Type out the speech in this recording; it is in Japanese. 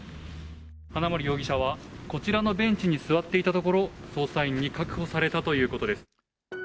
花森容疑者は、こちらのベンチに座っていたところ、捜査員に確保されたということです。